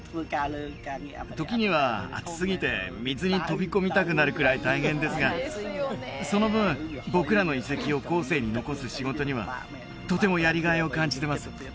時には暑すぎて水に飛び込みたくなるくらい大変ですがその分僕らの遺跡を後世に残す仕事にはとてもやりがいを感じてます